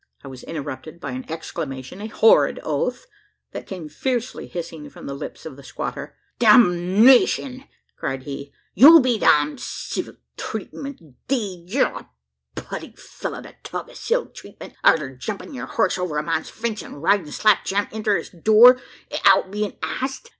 I was interrupted by an exclamation a horrid oath that came fiercely hissing from the lips of the squatter. "Damnation!" cried he; "you be damned! Civil treetmint i'deed! You're a putty fellur to talk o' civil treetmint, arter jumpin' yur hoss over a man's fence, an' ridin' slap jam inter his door, 'ithout bein' asked!